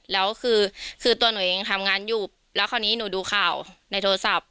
แล้วคือตัวหนูเองทำงานอยู่แล้วคราวนี้หนูดูข่าวในโทรศัพท์